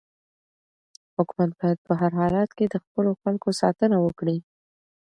حکومت باید په هر حالت کې د خپلو خلکو ساتنه وکړي.